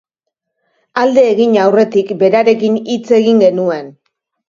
Alde egin aurretik berarekin hitz egin genuen.